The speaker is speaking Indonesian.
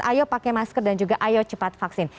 ayo pakai masker dan juga ayo cepat vaksin